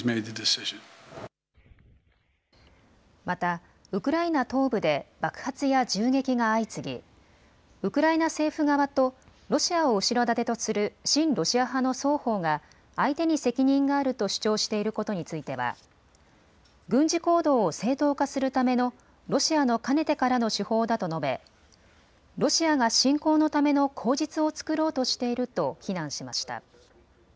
また、ウクライナ東部で爆発や銃撃が相次ぎウクライナ政府側とロシアを後ろ盾とする親ロシア派の双方が、相手に責任があると主張していることについては軍事行動を正当化するためのロシアのかねてからの手法だと述べロシアが侵攻のための口実を作ろうとしていると非難しました。